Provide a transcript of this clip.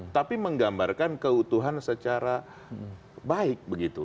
tapi menggambarkan keutuhan secara baik begitu